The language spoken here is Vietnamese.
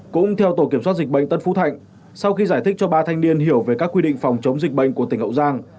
cũng theo tổ kiểm soát dịch bệnh tân phú thạnh sau khi giải thích cho ba thanh niên hiểu về các quy định phòng chống dịch bệnh của tỉnh hậu giang